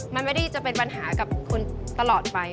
มันไม่ได้จะเป็นปัญหากับคุณตลอดไป